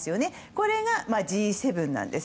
これがＧ７なんです。